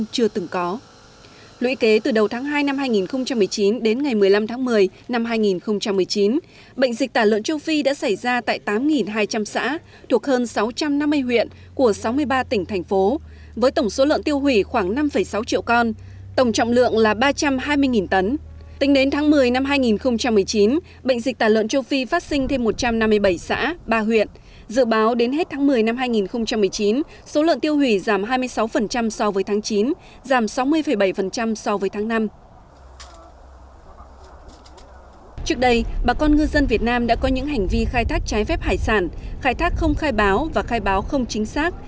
trước đây bà con ngư dân việt nam đã có những hành vi khai thác trái phép hải sản khai thác không khai báo và khai báo không chính xác